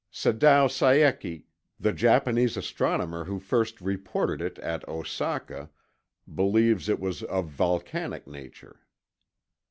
Sadao Saeki, the Japanese astronomer who first reported it at Osaka, believes it was of volcanic nature.